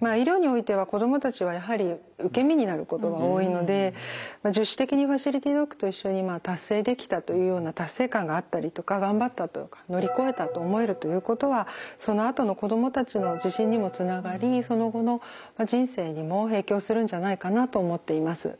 まあ医療においては子供たちはやはり受け身になることが多いので自主的にファシリティドッグと一緒に達成できたというような達成感があったりとか頑張ったとか乗り越えたと思えるということはそのあとの子供たちの自信にもつながりその後の人生にも影響するんじゃないかなと思っています。